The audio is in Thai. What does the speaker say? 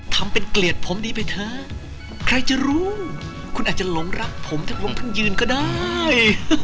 ทำเป็นเกลียดผมดีไปเถอะใครจะรู้คุณอาจจะหลงรักผมถ้าผมเพิ่งยืนก็ได้